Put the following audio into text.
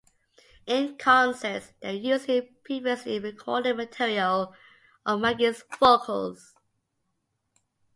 In concerts, they were using previously recorded material of Magik's vocals.